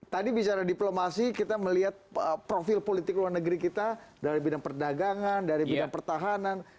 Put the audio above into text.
tadi bicara diplomasi kita melihat profil politik luar negeri kita dari bidang perdagangan dari bidang pertahanan